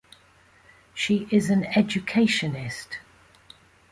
She is an educationist.